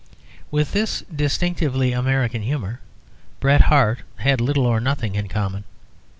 With this distinctively American humour Bret Harte had little or nothing in common.